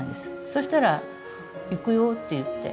そしたら行くよって言って。